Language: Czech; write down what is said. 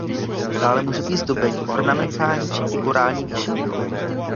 Dále může být zdobený ornamentální či figurální vyšivkou.